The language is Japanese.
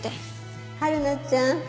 はるなちゃん